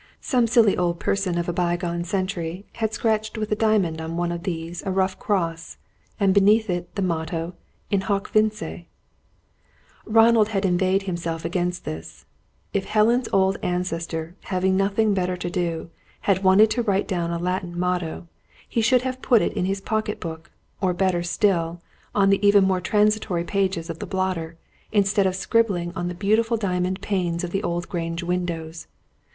Some silly old person of a bygone century had scratched with a diamond on one of these a rough cross, and beneath it the motto: In hoc vince. Ronald had inveighed against this. If Helen's old ancestor, having nothing better to do, had wanted to write down a Latin motto, he should have put it in his pocket book, or, better still, on the even more transitory pages of the blotter, instead of scribbling on the beautiful diamond panes of the old Grange windows.